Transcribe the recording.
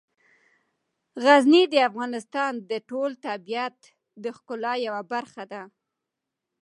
غزني د افغانستان د ټول طبیعت د ښکلا یوه برخه ده.